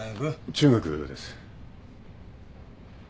中学です。